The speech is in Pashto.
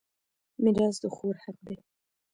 میراث د خور حق دی.